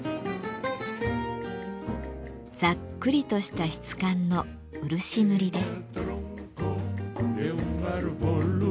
ザックリとした質感の漆塗りです。